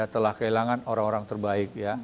telah kehilangan orang orang terbaik ya